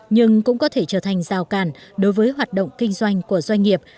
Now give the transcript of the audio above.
nhưng cũng có thể trở thành rào cản đối với hoạt động kinh doanh của doanh nghiệp